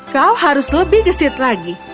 kau harus lebih gesit lagi